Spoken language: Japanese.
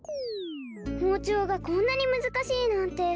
ほうちょうがこんなにむずかしいなんて。